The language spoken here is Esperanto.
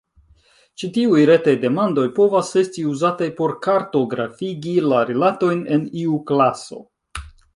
Ĉi tiuj retaj demandoj povas esti uzataj por kartografigi la rilatojn en iu klaso.